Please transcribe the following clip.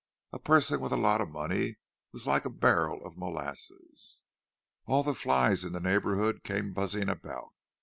A person with a lot of money was like a barrel of molasses—all the flies in the neighbourhood came buzzing about.